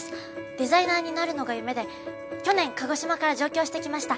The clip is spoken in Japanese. デザイナーになるのが夢で去年鹿児島から上京してきました。